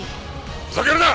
ふざけるな！